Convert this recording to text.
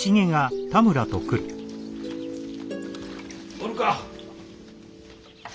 おるか？